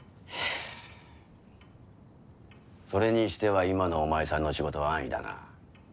それにしては今のお前さんの仕事は安易だな。